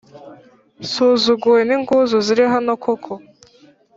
nsuzuguwe n’ingunzu zirihano koko